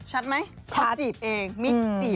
หักร้านฝ่ายไง